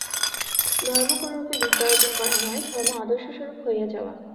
ধর্ম কোনরূপে বিদ্যা অর্জন করা নয়, ধর্ম আদর্শস্বরূপ হইয়া যাওয়া।